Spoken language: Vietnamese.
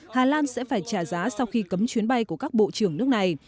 hà lan sẽ phải trả giá sau khi cấm chuyến bay của các bộ trưởng nước này